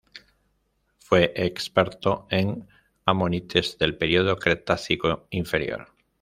Fue experto en ammonites del periodo Cretácico inferior.